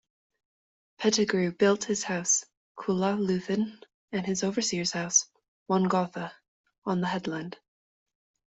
Pettigrew built his house "Coolaluthin" and his overseers house "Wongotha" on the Headland.